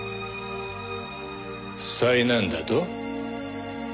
災難だと？